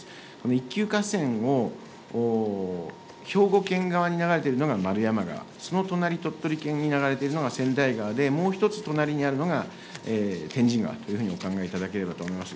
一級河川を兵庫県側に流れているのがまるやま川、その隣、鳥取県に流れているのが千代川で、もう１つ隣にあるのが天神川というふうにお考えいただければと思います。